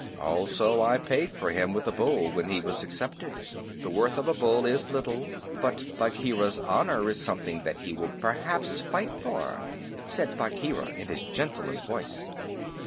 "Also, I paid for him with a bull when he was accepted. The worth of a bull is little, but Bagheera's honor is something that he will perhaps fight for," said Bagheera in his gentlest voice.